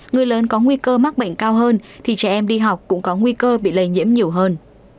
người lớn có nguy cơ mắc bệnh cao hơn thì trẻ em đi học cũng có nguy cơ bị lây nhiễm nhiều hơn